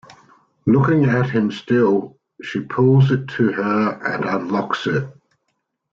Looking at him still, she pulls it to her and unlocks it.